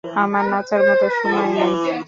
আমার নাচার মতো সময় নেই।